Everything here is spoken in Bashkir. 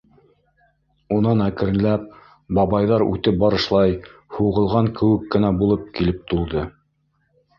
Унан әкренләп бабайҙар үтеп барышлай һуғылған кеүек кенә булып килеп тулды.